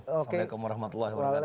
assalamualaikum warahmatullahi wabarakatuh